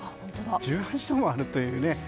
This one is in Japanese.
１８度もあるというね。